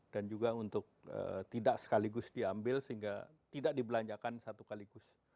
dan juga untuk tidak sekaligus diambil sehingga tidak dibelanjakan satu kaligus